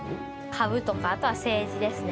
株とかあとは政治ですね。